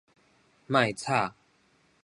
莫吵